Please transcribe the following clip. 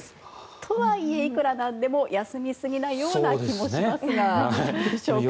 とはいえ、いくらなんでも休むすぎなような気もしますがいかがでしょうか。